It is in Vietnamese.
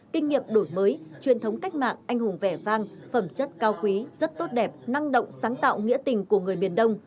kinh nghiệm đổi mới truyền thống cách mạng anh hùng vẻ vang phẩm chất cao quý rất tốt đẹp năng động sáng tạo nghĩa tình của người miền đông